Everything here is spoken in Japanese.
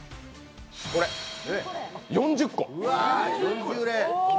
これ４０個。